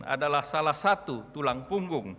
adalah salah satu tulang punggung